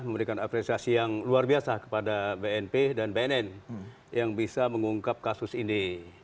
memberikan apresiasi yang luar biasa kepada bnp dan bnn yang bisa mengungkap kasus ini